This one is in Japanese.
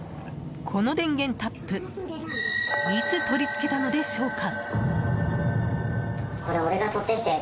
この電源タップ、いつ取り付けたのでしょうか。